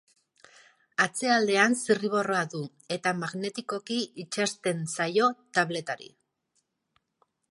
Atzealdean zirriborroa du, eta magnetikoki itsasten zaio tabletari.